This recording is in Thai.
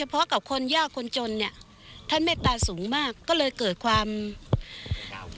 เห็นผู้กับดิบดีมากก็ตามถ้ำทุกคนจงในทีเข้ามา